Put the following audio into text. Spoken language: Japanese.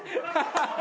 ハハハ！